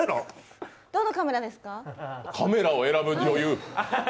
カメラを選ぶ女優。